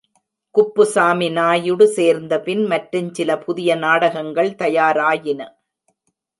குப்புசாமி நாயுடு சேர்ந்தபின் மற்றுஞ் சில புதிய நாடகங்கள் தயாராயின.